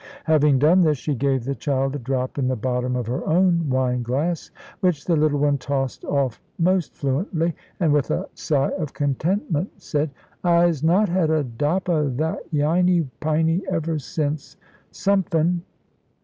Having done this, she gave the child a drop in the bottom of her own wine glass, which the little one tossed off most fluently, and with a sigh of contentment said "I'se not had a dop of that yiney piney ever since sompfin."